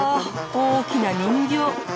大きな人形！